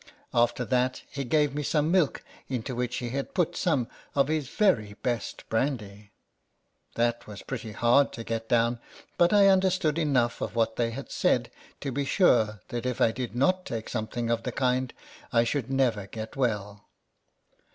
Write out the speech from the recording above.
After that he gave me some milk into which he had put some of his very best brandy : that was pretty hard to get down, but I understood enough of what they had said, to be sure that if I did not take something of the kind I should never get well.